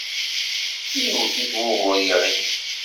Yewwet-it wugur yeɣli.